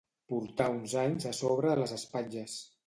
Portar uns anys a sobre les espatlles.